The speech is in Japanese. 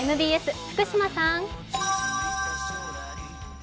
ＭＢＣ、福島さん。